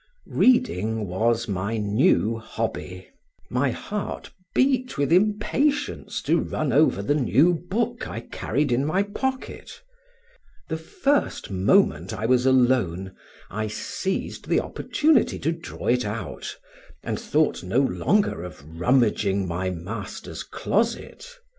Reading was my new hobby; my heart beat with impatience to run over the new book I carried in my pocket; the first moment I was alone, I seized the opportunity to draw it out, and thought no longer of rummaging my master's closet.